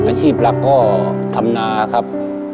อาชีพหลักก็ทำนาครับ